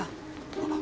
あっ！